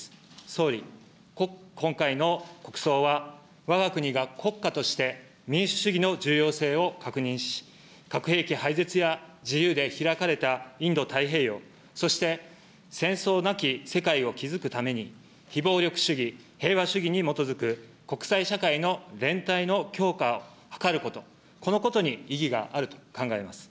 総理、今回の国葬はわが国が国家として民主主義の重要性を確認し、核兵器廃絶や自由で開かれたインド太平洋、そして戦争なき世界を築くために、非暴力主義、平和主義に基づく国際社会の連帯の強化を図ること、このことに意義があると考えます。